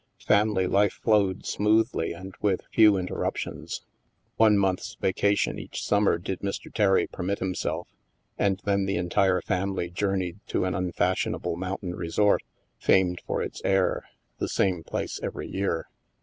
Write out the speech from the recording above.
Family life flowed smoothly and with few interruptions. One month's vacation each summer did Mr. Terry permit himself, and then the entire family journeyed to an unfashionable mountain resort, famed for its air — the same place every year.